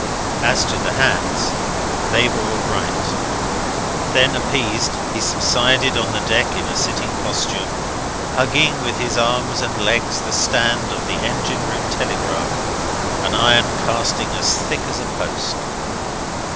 As to the hands, they were all right. Then, appeased, he subsided on the deck in a sitting posture, hugging with his arms and legs the stand of the engine room telegraph an iron casting as thick as a post.